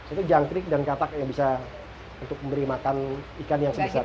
itu jangkrik dan katak yang bisa untuk memberi makan ikan yang sebesar ini